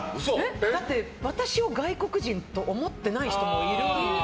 だって、私を外国人と思ってない人もいるから。